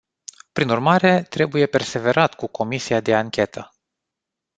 Prin urmare, trebuie perseverat cu comisia de anchetă.